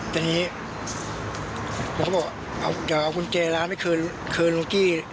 ตอนนี้ผมก็บอกจะเอากุญแจร้านไปคืนลุงกี้